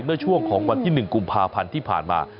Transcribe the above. เมื่อช่วงของวันที่๑กุมภาพันธ์ที่ผ่านมา